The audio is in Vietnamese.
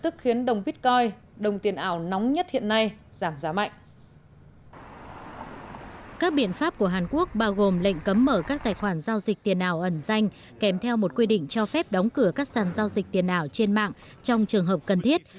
các biện pháp của hàn quốc bao gồm lệnh cấm mở các tài khoản giao dịch tiền ảo ẩn danh kèm theo một quy định cho phép đóng cửa các sàn giao dịch tiền ảo trên mạng trong trường hợp cần thiết